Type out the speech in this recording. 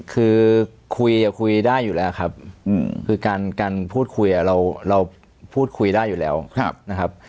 คือคุยคุยได้อยู่แล้วครับคือการพูดคุยเราพูดคุยได้อยู่แล้วนะครับ